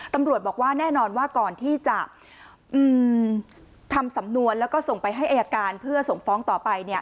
ตำรวจบอกว่าแน่นอนว่าก่อนที่จะทำสำนวนแล้วก็ส่งไปให้อายการเพื่อส่งฟ้องต่อไป